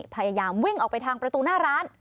พยายามวิ่งออกไปทางประตูหน้าร้าน